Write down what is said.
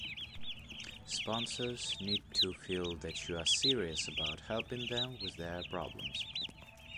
Sponsors need to feel that you are serious about helping them with their problems.